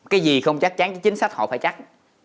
cái gì không chắc chắn chính sách họ phải chắc